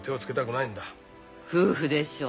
夫婦でしょ